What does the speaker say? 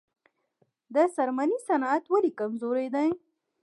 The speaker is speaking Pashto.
د څرمنې صنعت ولې کمزوری دی؟